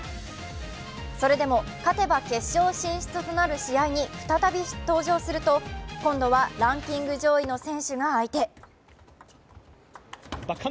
それでも勝てば決勝進出となる試合に再び登場すると今度はランキング上位の選手が相手。